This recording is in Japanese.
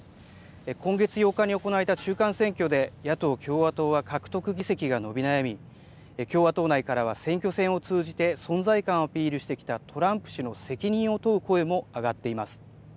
今月８日に行われた中間選挙で野党・共和党は獲得議席が伸び悩み共和党内からは選挙戦を通じて存在感をアピールしてきたトランプ氏の責任を問う声も上がっています。